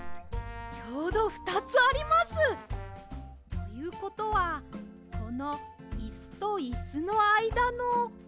ちょうどふたつあります！ということはこのイスとイスのあいだの。